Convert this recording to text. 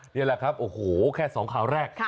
นี่แหละครับโอ้โหแค่๒ข่าวแรก